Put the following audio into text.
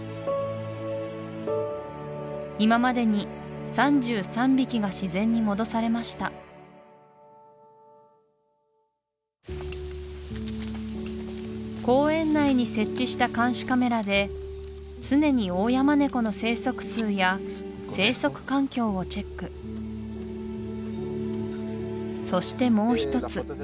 今までに３３匹が自然に戻されました公園内に設置した監視カメラで常にオオヤマネコの生息数や生息環境をチェックそしてもう一つ